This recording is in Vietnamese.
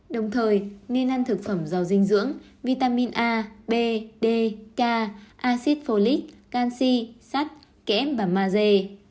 đồng thời nên ăn thực phẩm giàu dinh dưỡng vitamin a b d k acid folic canxi sắt kém và maze